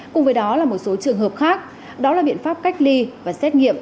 cùng với đó là một số trường hợp khác đó là biện pháp cách ly và xét nghiệm